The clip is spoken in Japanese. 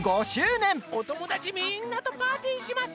お友達みんなとパーティーします。